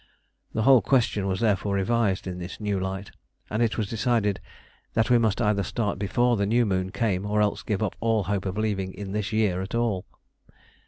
The whole question was therefore revised in this new light, and it was decided that we must either start before the new moon came or else give up all hope of leaving in this year at all.